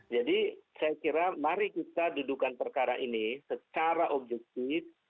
jadi saya kira mari kita dudukan perkara ini secara objektif